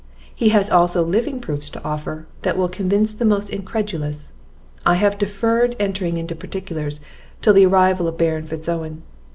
He has also living proofs to offer, that will convince the most incredulous. I have deferred entering into particulars, till the arrival of Baron Fitz Owen.